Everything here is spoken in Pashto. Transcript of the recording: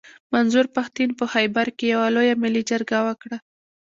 منظور پښتين په خېبر کښي يوه لويه ملي جرګه وکړه.